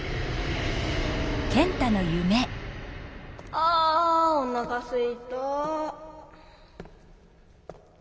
あおなかすいた。